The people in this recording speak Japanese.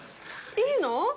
いいの？